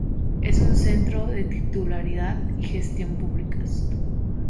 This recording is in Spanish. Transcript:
Es un centro de titularidad y gestión públicas.